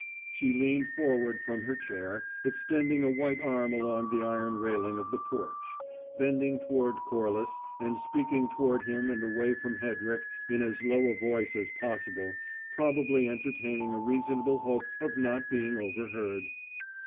She leaned forward from her chair, extending a white arm along the iron railing of the porch; bending toward Corliss, and speaking toward him and away from Hedrick in as low a voice as possible, probably entertaining a reasonable hope of not being overheard.